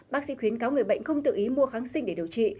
bác sĩ khuyến cáo người bệnh không tự ý mua kháng sinh để điều trị